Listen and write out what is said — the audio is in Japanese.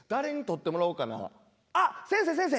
あっ先生先生！